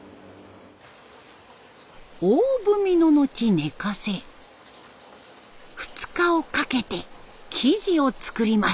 大踏みの後寝かせ２日をかけて生地を作ります。